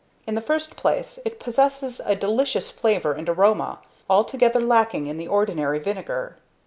~In the first place it possesses a delicious flavour and aroma, altogether lacking in the ordinary vinegar.